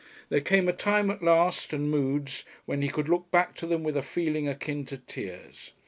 There came a time at last and moods when he could look back to them with a feeling akin to tears.